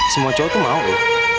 semua cowok tuh mau ya